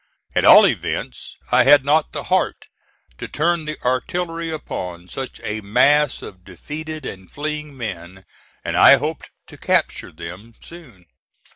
At all events I had not the heart to turn the artillery upon such a mass of defeated and fleeing men, and I hoped to capture them soon.